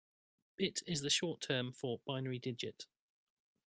Bit is the short term for binary digit.